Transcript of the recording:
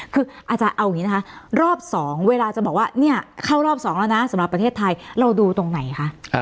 คืออาจารย์เอาอย่างนี้นะคะรอบ๒เวลาจะบอกว่าเนี่ยเข้ารอบ๒แล้วนะสำหรับประเทศไทยเราดูตรงไหนคะ